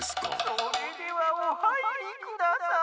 それではおはいりください。